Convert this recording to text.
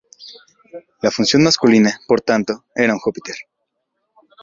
La función masculina, por tanto, era un júpiter.